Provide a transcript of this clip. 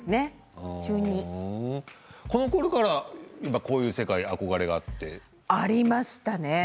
このころからこういう世界にありましたね。